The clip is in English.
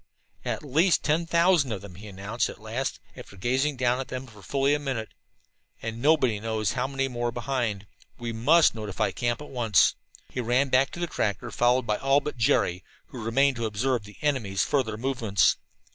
"At least ten thousand of them," he announced at last, after gazing down at them for fully a minute. "And nobody knows how many more behind. We must notify the camp at once." He ran back to the tractor, followed by all but Jerry, who remained to observe the enemy's further movements.